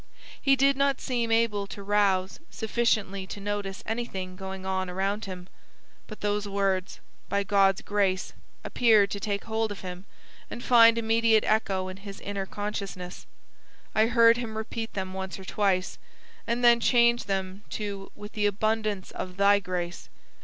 He did not seem able to rouse sufficiently to notice anything going on around him. But those words, 'by God's grace,' appeared to take hold of him and find immediate echo in his inner consciousness. I heard him repeat them once or twice, and then change them to 'with the abundance of Thy grace.'